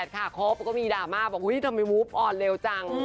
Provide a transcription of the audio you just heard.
เขาก็มีดราม่าบอกว่าทำไมมูฟอ่อนเร็วจัง